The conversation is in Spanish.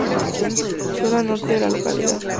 Zona Norte de la localidad.